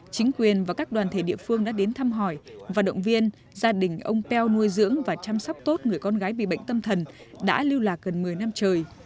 chính quyền và các đoàn thể địa phương đã đến thăm hỏi và động viên gia đình ông peo nuôi dưỡng và chăm sóc tốt người con gái bị bệnh tâm thần đã lưu lạc gần một mươi năm trời